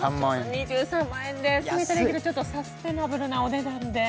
２３万で安いかもしれないけれど、ちょっとサステナブルなお値段で。